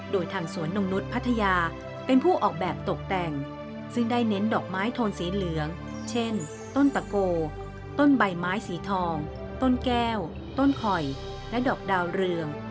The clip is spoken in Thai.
โดยทางสวนนงนุษย์พัทยาเป็นผู้ออกแบบตกแต่งซึ่งได้เน้นดอกไม้โทนสีเหลืองเช่นต้นตะโกต้นใบไม้สีทองต้นแก้วต้นคอยและดอกดาวเรือง